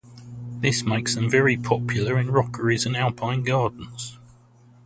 This makes them very popular in rockeries and alpine gardens.